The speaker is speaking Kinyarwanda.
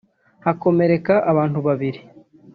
hakomereka abantu babiri